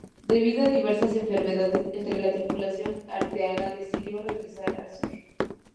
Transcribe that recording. Debido a diversas enfermedades entre la tripulación Arteaga decidió regresar al sur.